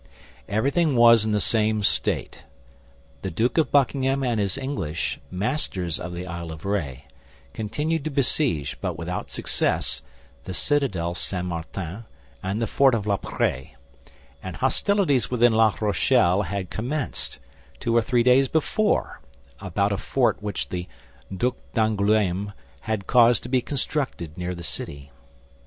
Everything was in the same state. The Duke of Buckingham and his English, masters of the Isle of Ré, continued to besiege, but without success, the citadel St. Martin and the fort of La Prée; and hostilities with La Rochelle had commenced, two or three days before, about a fort which the Duc d'Angoulême had caused to be constructed near the city.